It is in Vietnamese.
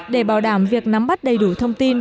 để bảo đảm việc nắm bắt đầy đủ thông tin